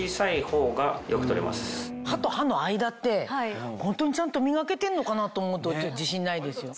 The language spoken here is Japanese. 歯と歯の間ってホントにちゃんと磨けてんのかな？と思うと自信ないですよ。